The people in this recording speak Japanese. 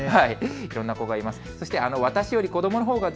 いろんな子がいます。